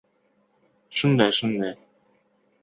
— Shunday, shunday...